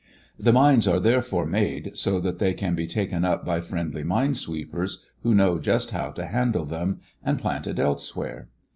The mines are, therefore, made so that they can be taken up by friendly mine sweepers who know just how to handle them, and planted elsewhere.